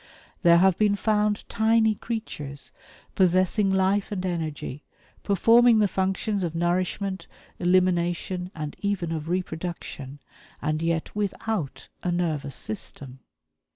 There have been found tiny creatures, possessing life and energy, performing the functions of nourishment, elimination, and even of reproduction and yet without a nervous system.